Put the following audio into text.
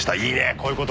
こういうこと。